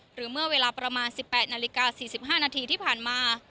หรือเมื่อเวลาประมาณ๑๘นาฬิกา๔๕นาทีที่ผ่านมา